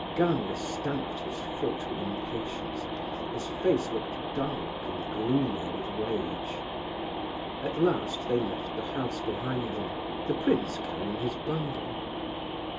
Gania stamped his foot with impatience. His face looked dark and gloomy with rage. At last they left the house behind them, the prince carrying his bundle.